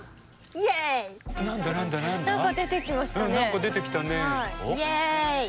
イエイ！